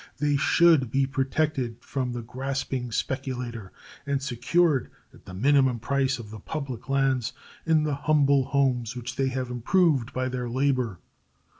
They should be protected from the grasping speculator and secured, at the minimum price of the public lands, in the humble homes which they have improved by their labor.